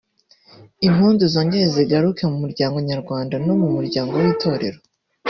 impundu zongere zigaruke mu muryango nyarwanda no mu muryango w’Itorero